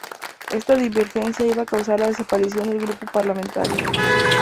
Esta divergencia iba a causar la desaparición del grupo parlamentario.